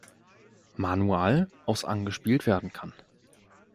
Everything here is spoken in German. Manual aus angespielt werden kann.